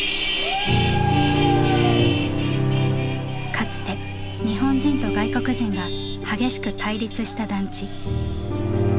かつて日本人と外国人が激しく対立した団地。